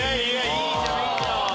いいじゃんいいじゃん！